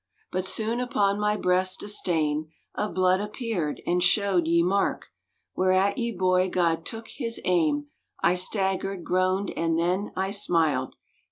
But soone upon my breast a stayne Of blood appeared, and showed ye marke Whereat ye boy god tooke hys aime; I staggered, groaned and then—I smyled!